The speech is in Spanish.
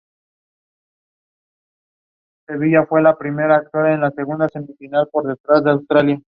Cuervos es una localidad relevante dentro del valle de Mexicali.